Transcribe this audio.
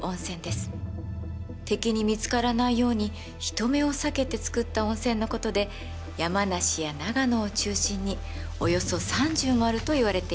敵に見つからないように人目を避けてつくった温泉のことで山梨や長野を中心におよそ３０もあるといわれています。